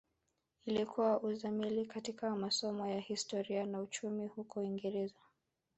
Ilikuwa uzamili katika masomo ya Historia na Uchumi huko Uingereza